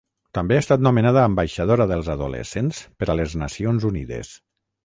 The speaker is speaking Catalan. També ha estat nomenada ambaixadora dels adolescents per a les Nacions Unides.